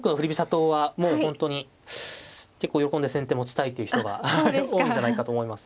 党はもう本当に結構喜んで先手持ちたいという人が多いんじゃないかと思います。